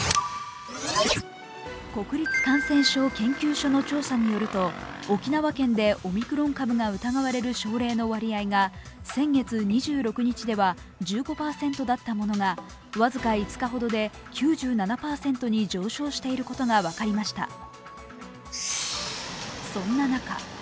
国立感染症研究所の調査によると沖縄県でオミクロン株が疑われる症例の割合が先月２６日では１５％だったものが僅か５日ほどで９７％に上昇していることが分かりました。